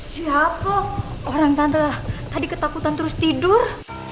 siapa orang tante ketakutan terus tidur